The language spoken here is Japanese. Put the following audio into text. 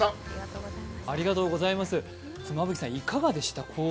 妻夫木さん、いかがでした？